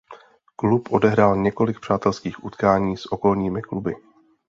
Klub odehrál několik přátelských utkání s okolními kluby.